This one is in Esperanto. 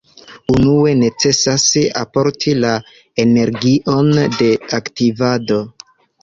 Unue necesas alporti la energion de aktivado.